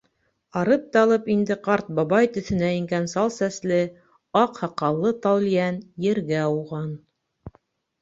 Арып-талып инде ҡарт бабай төҫөнә ингән сал сәсле, аҡ һаҡаллы Талйән ергә ауған.